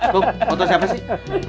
kom foto siapa sih